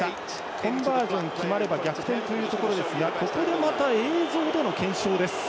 コンバージョン決まれば逆転というところですがここでまた映像での検証です。